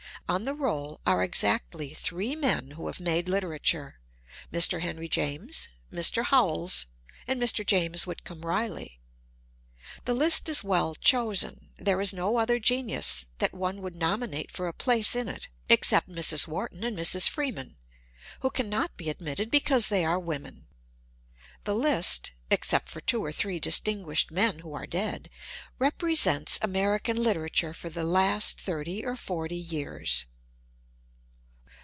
On the roll are exactly three men who have made literature — Mr. Henry James, Mr. Howells, and Mr. James Whitcomb Riley. The list is well chosen; there is no other genius that one would nominate for a place in it, except Mrs. Wharton and Mrs. Freeman, who cannot be admitted because they are women. The list (except for two or three distinguished men who are dead) represents American literature for the last thirty or forty years.